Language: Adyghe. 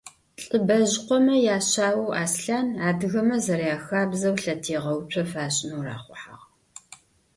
ЛӀыбэжъыкъомэ яшъаоу Аслъан, адыгэмэ зэряхабзэу, лъэтегъэуцо фашӏынэу рахъухьагъ.